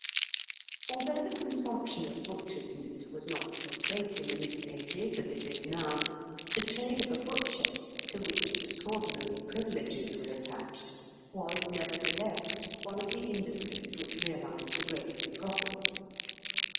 Although the consumption of butchers' meat was not so great in the Middle Ages as it is now, the trade of a butcher, to which extraordinary privileges were attached, was nevertheless one of the industries which realised the greatest profits.